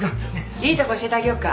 いいとこ教えてあげようか？